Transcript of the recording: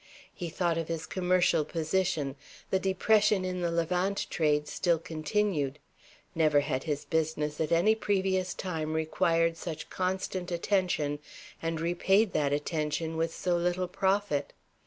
He thought of his commercial position. The depression in the Levant trade still continued. Never had his business at any previous time required such constant attention, and repaid that attention with so little profit.